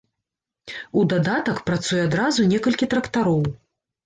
У дадатак працуе адразу некалькі трактароў.